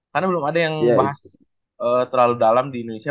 karena belum ada yang bahas terlalu dalam di indonesia